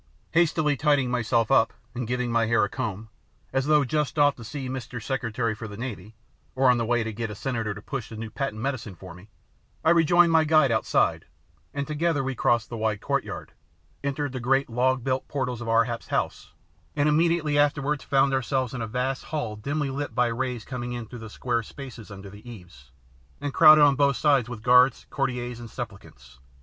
Hastily tidying myself up, and giving my hair a comb, as though just off to see Mr. Secretary for the Navy, or on the way to get a senator to push a new patent medicine for me, I rejoined my guide outside, and together we crossed the wide courtyard, entered the great log built portals of Ar hap's house, and immediately afterwards found ourselves in a vast hall dimly lit by rays coming in through square spaces under the eaves, and crowded on both sides with guards, courtiers, and supplicants.